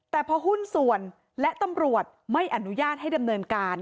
แต่พอหุ้นส่วนและตำรวจไม่อนุญาตให้ดำเนินการ